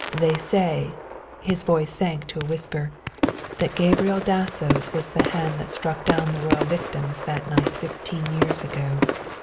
They say," his voice sank to a whisper, "that Gabriel Dasso's was the hand that struck down the royal victims that night fifteen years ago.